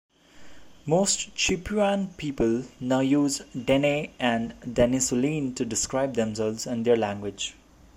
Most Chipewyan people now use "Dene" and "Denesuline" to describe themselves and their language.